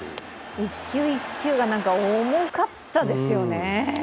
１球１球が重かったですよね。